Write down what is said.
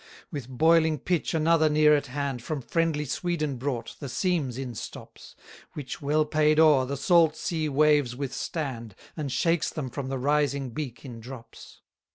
147 With boiling pitch another near at hand, From friendly Sweden brought, the seams instops: Which well paid o'er, the salt sea waves withstand, And shakes them from the rising beak in drops.